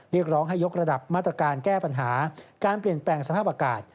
เรียกร้องให้ยกระดับมาตรการแก้ปัญหาการเปลี่ยนแปลงสภาพอากาศ